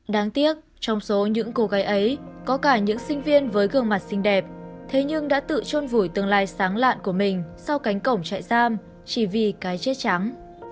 đáng tiếc trong số những cô gái ấy có cả những sinh viên với gương mặt xinh đẹp thế nhưng đã tự trôn vùi tương lai sáng lạn của mình sau cánh cổng trại giam chỉ vì cái chết trắng